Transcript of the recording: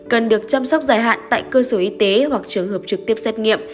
cần được chăm sóc dài hạn tại cơ sở y tế hoặc trường hợp trực tiếp xét nghiệm